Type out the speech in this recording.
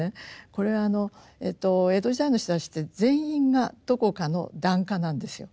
これ江戸時代の人たちって全員がどこかの檀家なんですよ。